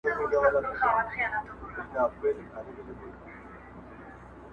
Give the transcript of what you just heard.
کيسه له درد او چيغو پيل کيږي ورو ورو لوړېږي،